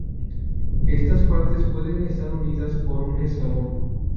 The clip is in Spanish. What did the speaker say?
Estas partes pueden estar unidas por un eslabón.